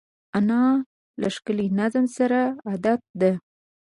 انا له ښکلي نظم سره عادت ده